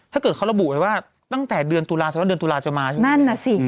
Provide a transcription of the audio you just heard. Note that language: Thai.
ถ้าเกิดเขาระบุว่าตั้งแต่เดือนตุลาจะมาใช่ไหม